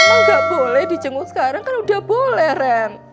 emang gak boleh di jenguk sekarang kan udah boleh ren